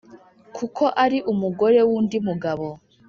Kuko ari umugore w’ undi mugabo